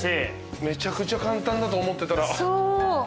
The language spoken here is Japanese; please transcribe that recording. めちゃくちゃ簡単だと思ってたら。